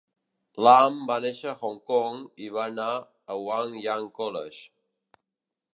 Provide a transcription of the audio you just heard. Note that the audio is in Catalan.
Lam va néixer a Hong Kong i va anar a Wah Yan College.